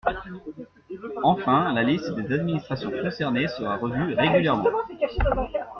Enfin, la liste des administrations concernées sera revue régulièrement.